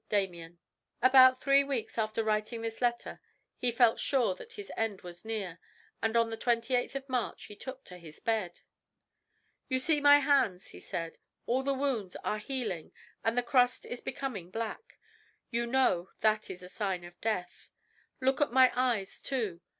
Damien." About three weeks after writing this letter he felt sure that his end was near, and on the 28th March he took to his bed. "You see my hands," he said. "All the wounds are healing and the crust is becoming black. You know that is a sign of death. Look at my eyes too.